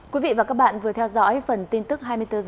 quý vị và các bạn vừa theo dõi phần tin tức hai mươi bốn h